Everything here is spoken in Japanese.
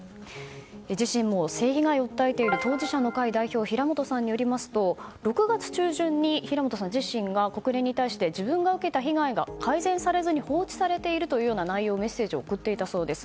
自身も性被害を訴えている当事者の会代表平本さんによりますと６月中旬に平本さん自身が国連に対して自分が受けた被害が改善されずに放置されているというメッセージを送っていたそうです。